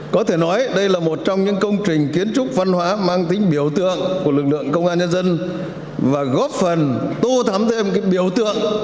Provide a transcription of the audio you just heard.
có thể nói đây là một trong những công trình kiến trúc văn hóa mang tính biểu tượng của lực lượng công an nhân dân và góp phần tô thắm thêm biểu tượng